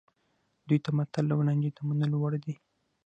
دوی ته متل او لنډۍ د منلو وړ دي